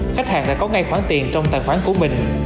khách hàng đã có ngay khoản tiền trong tài khoản của mình